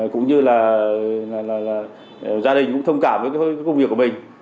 cũng như là gia đình cũng thông cảm với cái công việc của mình